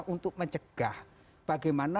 untuk mencegah bagaimana